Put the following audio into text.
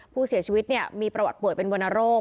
ผู้เสียชีวิตมีประวัติป่วยเป็นวรรณโรค